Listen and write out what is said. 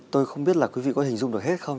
tôi không biết là quý vị có hình dung được hết không